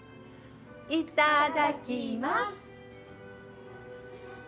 いただきます。